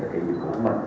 thực hiện dự án của mình